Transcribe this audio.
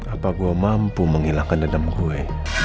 apa gue mampu menghilangkan dendam gue